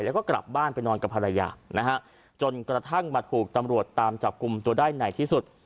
แล้วก็กลับบ้านไปนอนกับภรรยานะฮะจนกระทั่งมาถูกตำรวจตามจับกลุ่มตัวได้ในที่สุด